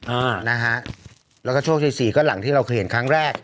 อ่านะฮะแล้วก็ช่วงสี่สี่ก็หลังที่เราเคยเห็นครั้งแรก